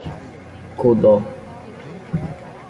Codó